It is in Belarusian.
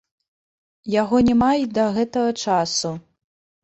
Яго няма й да гэтага часу.